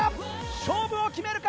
勝負を決めるか？